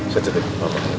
saya cek di rumah